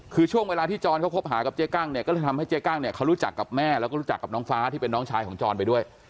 คือช่วงเวลาที่จรเขาคบหากับเจ๊กั้งเนี่ยก็เลยทำให้เจ๊กั้งเนี่ยเขารู้จักกับแม่แล้วก็รู้จักกับน้องฟ้าที่เป็นน้องชายของจรไปด้วย